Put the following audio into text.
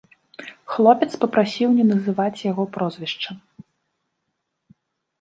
Хлопец папрасіў не называць яго прозвішча.